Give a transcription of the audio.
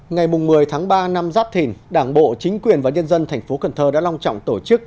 ngày một mươi tháng ba năm giáp thìn đảng bộ chính quyền và nhân dân thành phố cần thơ đã long trọng tổ chức